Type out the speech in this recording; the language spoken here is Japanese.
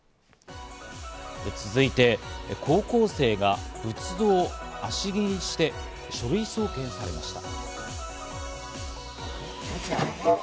続いて高校生が仏像を足げりして、書類送検されました。